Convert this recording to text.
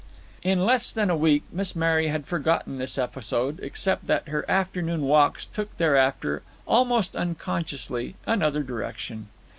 In less than a week Miss Mary had forgotten this episode, except that her afternoon walks took thereafter, almost unconsciously, another direction.